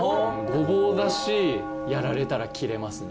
「ごぼう」だしやられたらキレますね。